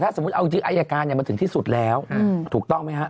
สมมุติเอาจริงอายการมันถึงที่สุดแล้วถูกต้องไหมฮะ